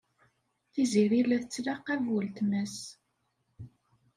Tiziri la tettlaqab weltma-s.